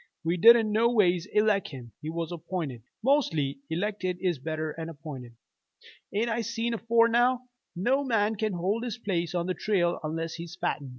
We didn't no ways eleck him he was app'inted. Mostly, elected is better'n app'inted. An' I seen afore now, no man can hold his place on the trail unless'n he's fitten.